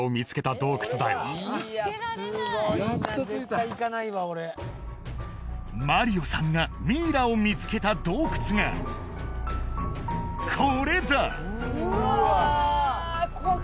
これかやっと着いたマリオさんがミイラを見つけた洞窟がこれだ！